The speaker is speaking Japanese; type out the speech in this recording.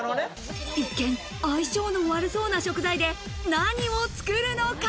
一見、相性の悪そうな食材で何を作るのか？